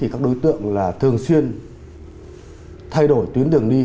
các đối tượng thường xuyên thay đổi tuyến đường đi